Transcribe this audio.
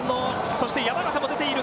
そして、山縣も出ている。